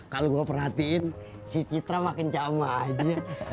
kalau gue perhatiin si citra makin camah aja